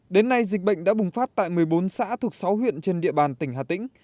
đến nay dịch bệnh đã bùng phát tại một mươi bốn xã thuộc sáu huyện trên địa bàn tỉnh hà tĩnh